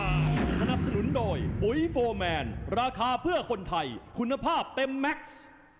สนับสนุนโดยปุ๋ยโฟร์แมนราคาเพื่อคนไทยคุณภาพเต็มแม็กซ์